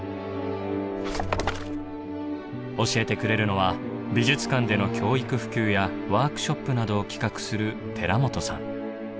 教えてくれるのは美術館での教育普及やワークショップなどを企画する寺元さん。